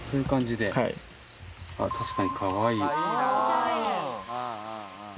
確かにかわいい。